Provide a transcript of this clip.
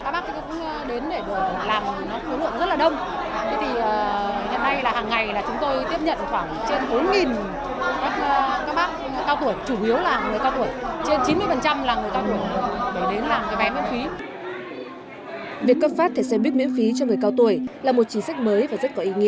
vì vậy hằng ngày chúng tôi tiếp nhận khoảng trên bốn các bác cao tuổi chủ yếu là người cao tuổi trên chín mươi là người cao tuổi để đến làm vé miễn phí